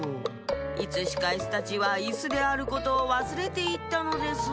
いつしかイスたちはイスであることをわすれていったのです。